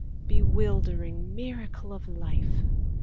BEWILDERING miracle of life!